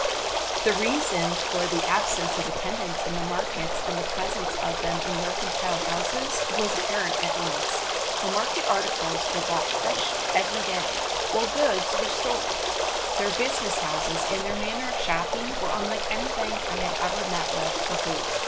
The reason for the absence of attendants in the markets and the presence of them in mercantile houses was apparent at once. The market articles were brought fresh every day, while goods were stored. Their business houses and their manner of shopping were unlike anything I had ever met with before.